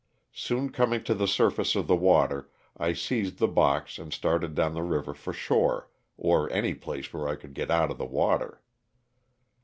Soon coming to the surface of the water I seized the box and started down the river for shore, or any place where I could get out of the water.